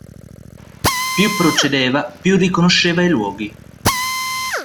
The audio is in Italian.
Più procedeva, più riconosceva i luoghi.